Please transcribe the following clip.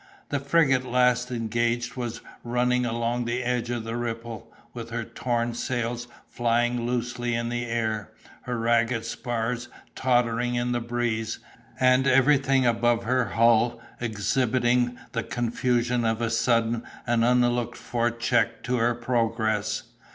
The frigate last engaged was running along the edge of the ripple, with her torn sails flying loosely in the air, her ragged spars tottering in the breeze, and everything above her hull exhibiting the confusion of a sudden and unlooked for check to her progress.